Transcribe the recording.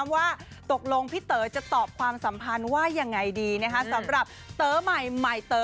ว่าตกลงพี่เต๋อจะตอบความสัมพันธ์ว่ายังไงดีสำหรับเต๋อใหม่เต๋อ